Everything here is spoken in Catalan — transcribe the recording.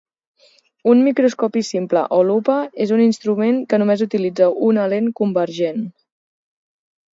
Un microscopi simple o lupa és un instrument que només utilitza una lent convergent.